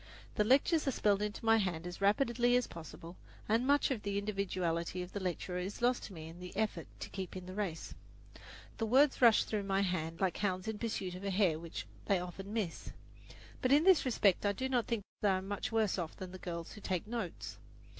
The lectures are spelled into my hand as rapidly as possible, and much of the individuality of the lecturer is lost to me in the effort to keep in the race. The words rush through my hand like hounds in pursuit of a hare which they often miss. But in this respect I do not think I am much worse off than the girls who take notes.